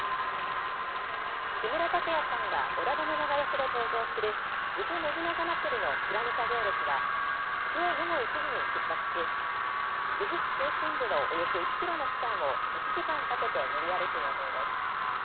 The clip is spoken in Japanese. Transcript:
木村拓哉さんが織田信長役で登場するぎふ信長まつりの騎馬武者行列はきょう午後１時に出発し岐阜市中心部のおよそ１キロの区間を１時間かけて練り歩く予定です。